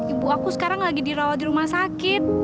ibu aku sekarang lagi dirawat di rumah sakit